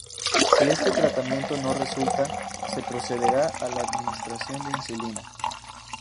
Si este tratamiento no resulta, se procederá a la administración de insulina.